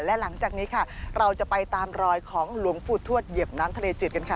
และหลังจากนี้ค่ะเราจะไปตามรอยของหลวงปู่ทวดเหยียบน้ำทะเลจืดกันค่ะ